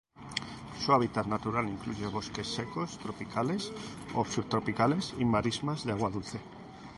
Su hábitat natural incluye bosques secos tropicales o subtropicales y marismas de agua dulce.